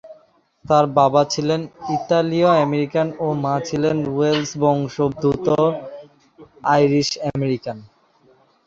তার বাবা ছিলেন ইতালীয় আমেরিকান ও মা ছিলেন ওয়েলস বংশদ্ভূত আইরিশ আমেরিকান।